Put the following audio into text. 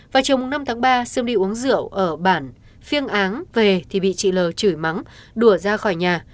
vào chiều năm tháng ba sương đi uống rượu ở bản phiêng áng về thì bị chị lử chửi mắng đùa ra khỏi nhà